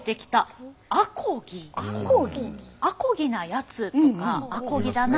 「あこぎなやつ」とか「あこぎだな」